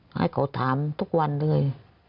ให้เขาถามทุกวันเลย